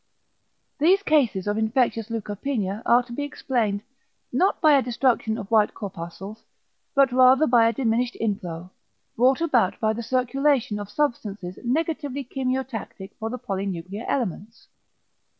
These cases of infectious leukopenia are to be explained, not by a destruction of white corpuscles, but rather by a diminished inflow, brought about by the circulation of substances negatively chemiotactic for the polynuclear elements.